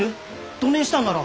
どねんしたんなら。